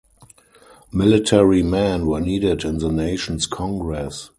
Military men were needed in the nation's Congress.